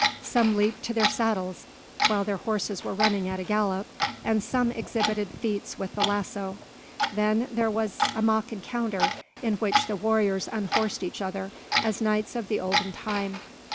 Some leaped to their saddles, while their horses were running at a gallop, and some exhibited feats with the lasso. Then there was a mock encounter, in which the warriors unhorsed each other, as knights of the olden time.